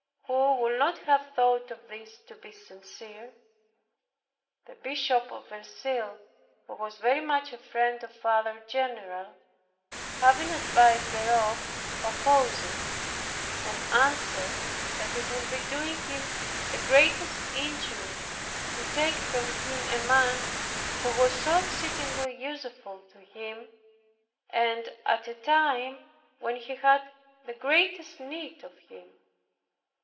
Who would not have thought all this to be sincere? The Bishop of Verceil, who was very much a friend of Father general, having advice thereof, opposed it, and answered that it would be doing him the greatest injury to take from him a man who was so exceedingly useful to him, and at a time when he had the greatest need of him.